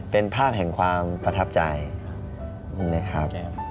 เป็นภาพแห่งความประทับใจนะครับ